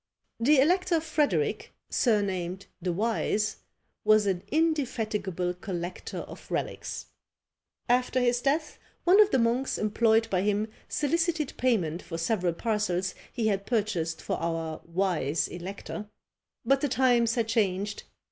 The elector Frederic, surnamed the Wise, was an indefatigable collector of relics. After his death, one of the monks employed by him solicited payment for several parcels he had purchased for our wise elector; but the times had changed!